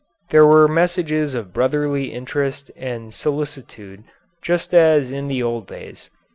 There were messages of brotherly interest and solicitude just as in the old days.